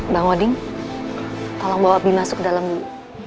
bang wading tolong bawa bi masuk ke dalam dulu